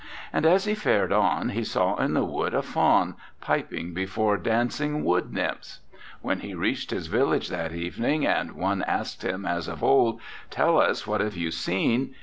And as he fared on, he saw in the wood a faun, piping before dancing wood nymphs. ... When he reached his village that evening and one asked him as of old: Tell us! What have you seen?